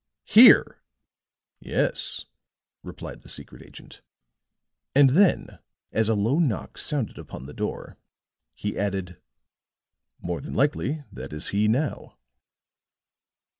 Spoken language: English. "Here!" "Yes," replied the secret agent. And then as a low knock sounded upon the door, he added, "More than likely that is he now."